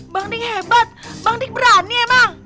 bang dik hebat bang dik berani emang